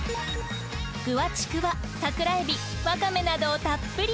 具はちくわ桜エビわかめなどをたっぷり。